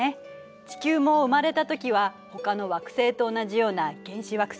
地球も生まれたときはほかの惑星と同じような原始惑星